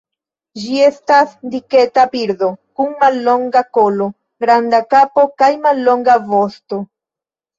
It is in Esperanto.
Ĝi estas diketa birdo, kun mallonga kolo, granda kapo kaj mallonga vosto.